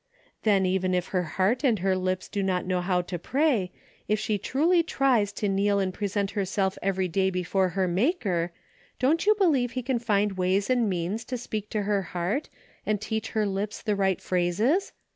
Then even if her heart and her lips do not know how to pray, if she truly tries to kneel and present herself every day before her Maker, don't you believe he can find ways and means to speak to her heart and teach her lips the right phrases